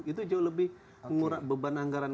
itu jauh lebih mengurang beban anggaran